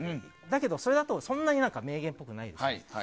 だけどそれだとそんなに名言っぽくないじゃないですか。